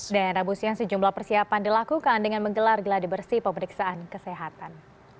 dan rabu siang sejumlah persiapan dilakukan dengan menggelar geladibersih pemeriksaan kesehatan